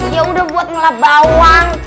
yaudah buat ngelap bawang